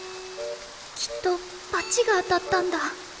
きっとバチが当たったんだ。